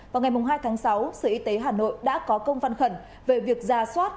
vào ngày hai tháng sáu sở y tế hà nội đã có công văn khẩn về việc ra soát